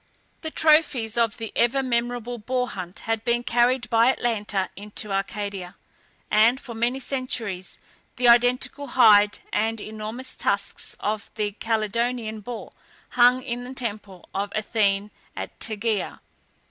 The trophies of the ever memorable boar hunt had been carried by Atalanta into Arcadia, and, for many centuries, the identical hide and enormous tusks of the Calydonian boar hung in the temple of Athene at Tegea.